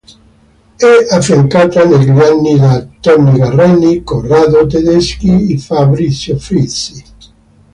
È affiancata negli anni da: Toni Garrani, Corrado Tedeschi, Fabrizio Frizzi.